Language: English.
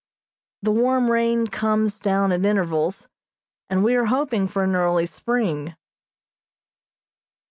The warm rain comes down at intervals, and we are hoping for an early spring.